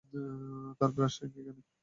তার brush ring এইখানে।